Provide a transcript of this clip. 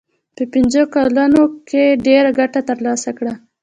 په پنځو کلونو کې ډېره ګټه ترلاسه کړه.